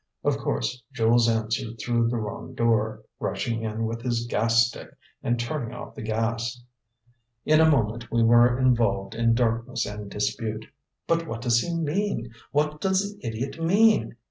Of course Jules answered through the wrong door, rushing in with his gas stick, and turning off the gas. In a moment we were involved in darkness and dispute. "But what does he mean? What does the idiot mean?